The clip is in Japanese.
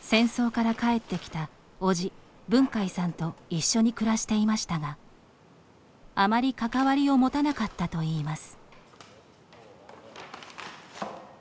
戦争から帰ってきた叔父・文海さんと一緒に暮らしていましたがあまり関わりを持たなかったといいます。